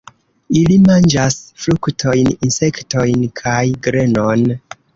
Ili manĝas fruktojn, insektojn kaj grenon.